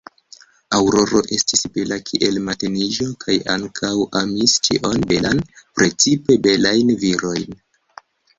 Aŭroro estis bela kiel mateniĝo kaj ankaŭ amis ĉion belan, precipe belajn virojn.